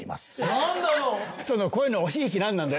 何だろう。